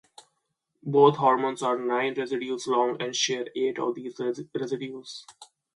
Both hormones are nine residues long, and share eight of these residues.